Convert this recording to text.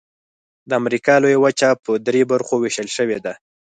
د امریکا لویه وچه په درې برخو ویشل شوې ده.